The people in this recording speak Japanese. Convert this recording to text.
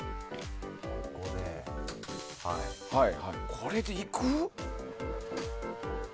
これでいく？